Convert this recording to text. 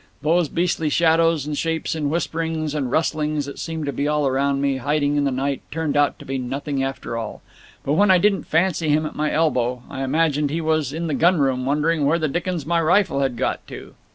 Those beastly shadows and shapes and whisperings and rustlings that seemed to be all round me, hiding in the night, turned out to be nothing after all. But when I didn't fancy him at my elbow, I imagined he was in the gunroom, wondering where the dickens my rifle had got to.